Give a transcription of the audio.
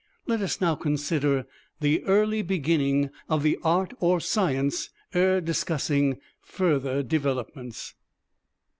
Let us now consider the early beginning of the art or science ere discussing further developments.